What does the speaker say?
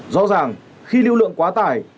rõ ràng khi lưu lượng quá tải